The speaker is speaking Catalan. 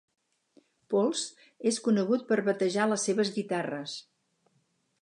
Poltz és conegut per batejar les seves guitarres.